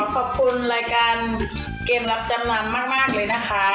ขอบคุณรายการเกมรับจำนำมากเลยนะคะ